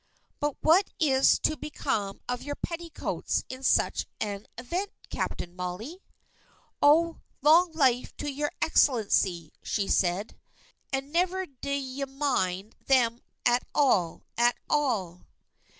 "But what is to become of your petticoats, in such an event, Captain Molly?" "Oh, long life to your Excellency!" said she, "and never de ye mind them at all at all!